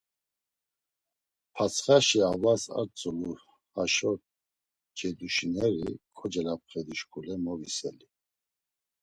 Patsxaşi avlas ar tzulu haşo ceduşineri kocelapxedi şuǩule moviseli.